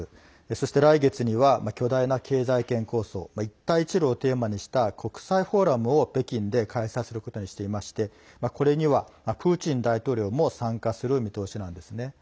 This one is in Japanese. そして、来月には巨大な経済圏構想一帯一路をテーマにした国際フォーラムを北京で開催することにしていましてこれにはプーチン大統領も参加する見通しなんですね。